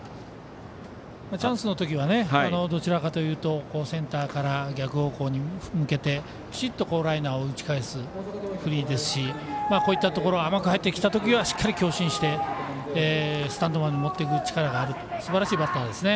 チャンスの時はどちらかというとセンターから逆方向に向けてきちっとライナーを打ち返す振りですしこういったところは甘く入ってきた時はしっかり強振してスタンドまで持っていく力があるすばらしいバッターですね。